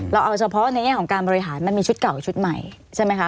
เราเอาเฉพาะในแง่ของการบริหารมันมีชุดเก่าชุดใหม่ใช่ไหมคะ